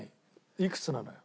いくつなのよ？